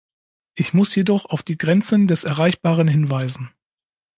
Ich muss jedoch auf die Grenzen des Erreichbaren hinweisen.